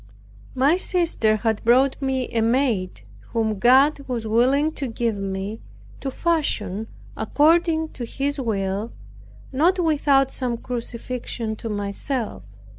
My sister had brought me a maid, whom God was willing to give me to fashion according to His will, not without some crucifixion to myself.